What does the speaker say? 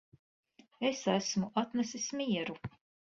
Es esmu atnesis mieru